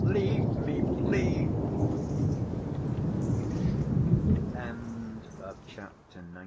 Leave me, please!" Chapter III.